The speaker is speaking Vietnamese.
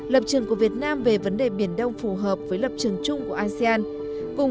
lập trường của việt nam về vấn đề biển đông phù hợp với lập trường chung của asean